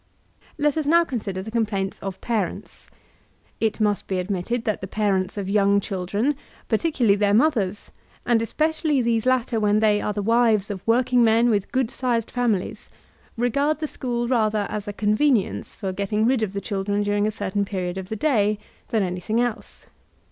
Let us now consider the complaints of parents. It must be admitted that the parents of young children, par ticularly their mothers, and especially these latter when they are the wives of workingmen with good sized fami lies, regard the school rather as a convenience for getting rid of the children during a certain period of the day than anything else.